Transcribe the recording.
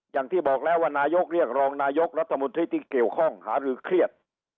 อย่างที่บอกแล้วว่านายกเรียกรองนายกรัฐมนตรีที่เกี่ยวข้องหารือเครียด